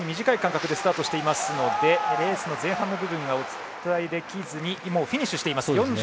短い間隔でスタートしているのでレースの前半部分がお伝えできずもうフィニッシュしています。